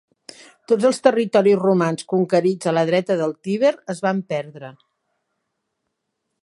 Tots els territoris romans conquerits a la dreta del Tíber, es van perdre.